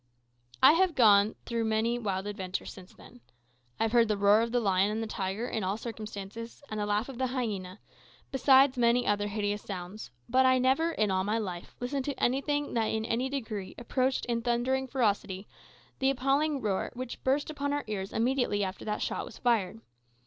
I have gone through many wild adventures since then. I have heard the roar of the lion and the tiger in all circumstances, and the laugh of the hyena, besides many other hideous sounds, but I never in all my life listened to anything that in any degree approached in thundering ferocity the appalling roar that burst upon our ears immediately after that shot was fired.